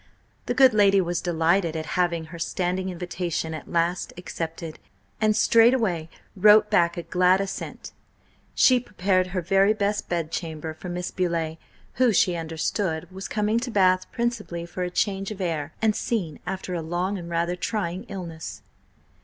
The good lady was delighted at having her standing invitation at last accepted, and straightway wrote back a glad assent. She prepared her very best bedchamber for Miss Beauleigh, who, she understood, was coming to Bath principally for a change of air and scene after a long and rather trying illness.